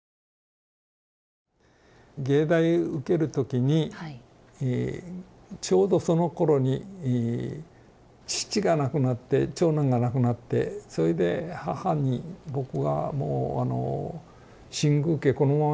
藝大受ける時にちょうどそのころに父が亡くなって長男が亡くなってそれで母に僕が「新宮家このままじゃとてもじゃないけど大変だから。